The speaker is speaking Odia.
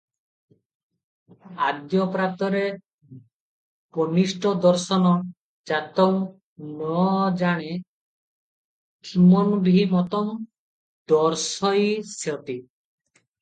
'ଆଦ୍ୟ ପ୍ରାତରେବାନିଷ୍ଟ ଦର୍ଶନଂ ଜାତଂ ନ ଜାନେ କିମନଭିମତଂ ଦର୍ଶୟିଷ୍ୟତି ।'